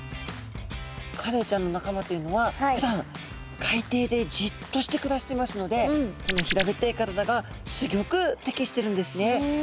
カレイちゃんの仲間というのはふだん海底でじっとして暮らしてますのでこの平べったい体がすギョく適してるんですね。